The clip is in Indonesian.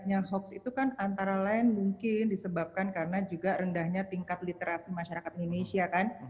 yang hoax itu kan antara lain mungkin disebabkan karena juga rendahnya tingkat literasi masyarakat indonesia kan